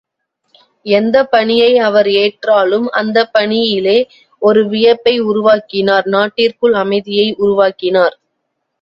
எந்தப் பணியை அவர் ஏற்றாலும் அந்தப் பணியிலே ஒரு வியப்பை உருவாக்கினார் நாட்டிற்குள் அமைதியை உருவாக்கினார்.